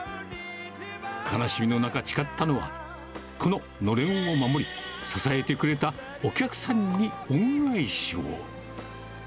悲しみの中、誓ったのは、こののれんを守り、支えてくれたお客さんに恩返しを。